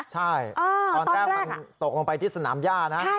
ใช่ตอนแรกมันตกลงไปที่สนามย่านะ